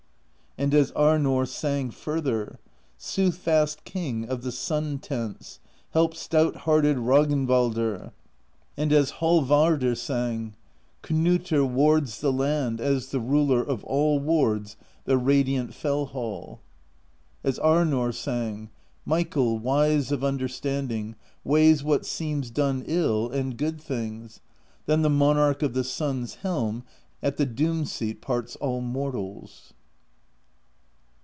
And as Arnorr sang further: Soothfast King of the Sun Tents, Help stout hearted Rognvaldr. 136 PROSE EDDA And as Hallvardr sang: Kniitr wards the land, as the Ruler Of All wards the radiant Fell Hall. As Arnorr sang: Michael, wise of understanding. Weighs what seems done ill, and good things: Then the Monarch of the Sun's Helm At the Doom Seat parts all mortals.